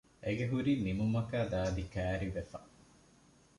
އެގެ ހުރީ ނިމުމަކާ ދާދި ކައިރިވެފަ